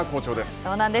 そうなんです。